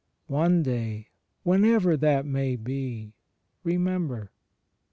One day, whenever that may be, remember.